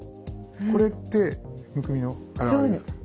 これってむくみのあらわれですから。